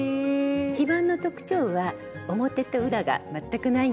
一番の特徴は表と裏が全くないんですね。